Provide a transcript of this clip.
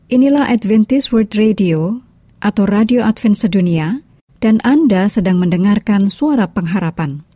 inilah advintis world radio atau radio advin sedunia dan anda sedang mendengarkan suara pengharapan